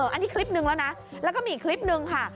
อันนี้คลิปนึงแล้วนะแล้วก็มีอีกคลิปนึงค่ะ